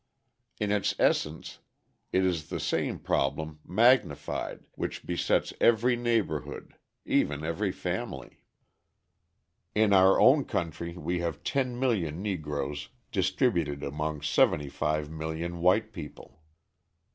In its essence it is the same problem, magnified, which besets every neighbourhood, even every family. In our own country we have 10,000,000 Negroes distributed among 75,000,000 white people.